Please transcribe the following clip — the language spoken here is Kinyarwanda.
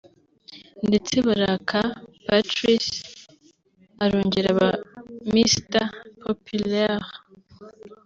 ndetse Baraka Patrice arongera aba Mister Populaire